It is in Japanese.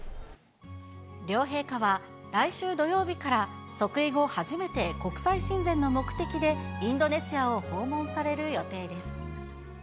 両陛下は、来週土曜日から即位後初めて国際親善の目的で、インドネシアを訪問される予定です。